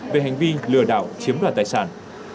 về hành vi lừa đảo chiếm đoàn tài sản